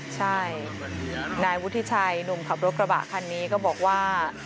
ใช่นายวุฒิชัยหนุ่มขับรถกระบะคันนี้ก็บอกว่า